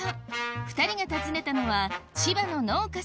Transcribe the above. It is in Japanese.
２人が訪ねたのは千葉の農家さん